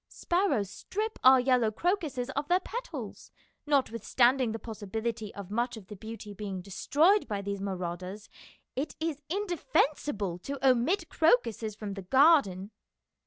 Sparrows strip our yellow crocuses of their petals. Notwith standing the possibility of much of the beauty being destroyed by these marauders, it is indefensible to omit crocuses from the garden."